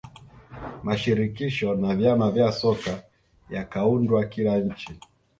mashirikisho na vyama vya soka yakaundwa kila nchi